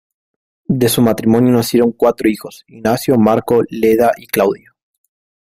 De su matrimonio nacieron cuatro hijos: Ignacio, Marco, Leda y Claudia.